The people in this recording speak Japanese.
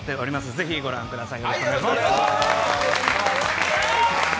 ぜひご覧ください。